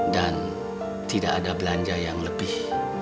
dan tidak ada belanja yang lebih